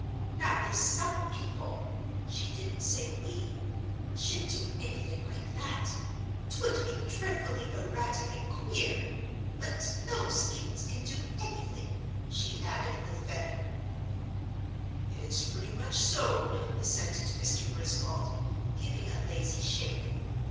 Now if some people" she didn't say "we" "should do anything like that, 'twould be dreadfully erratic and queer. But those Kings can do anything," she added, with venom. "It's pretty much so," assented Mr. Griswold, giving a lazy shake.